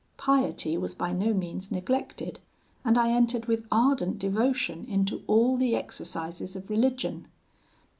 Piety was by no means neglected, and I entered with ardent devotion into all the exercises of religion.